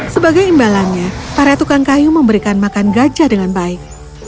sebagai imbalannya para tukang kayu memberikan makan gajah dengan baik